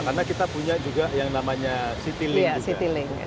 karena kita punya juga yang namanya city link